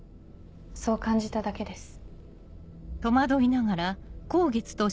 そう感じただけです。